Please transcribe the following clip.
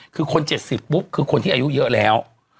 คือคน๗๐ปุ๊บคือคนที่อายุเยอะแล้ว